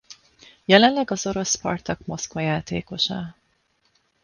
Jelenleg az orosz Szpartak Moszkva játékosa.